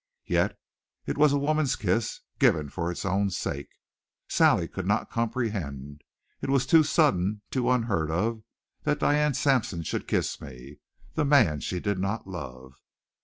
Yet it was a woman's kiss, given for its own sake. Sally could not comprehend; it was too sudden, too unheard of, that Diane Sampson should kiss me, the man she did not love.